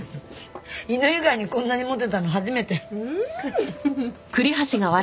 犬以外にこんなにモテたの初めて。